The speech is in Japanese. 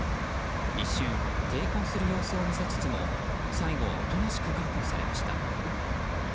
一瞬、抵抗する様子を見せつつも最後はおとなしく確保されました。